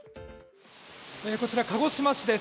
こちら、鹿児島市です。